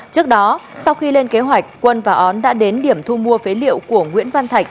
trước đó sau khi lên kế hoạch quân và ón đã đến điểm thu mua phế liệu của nguyễn văn thạch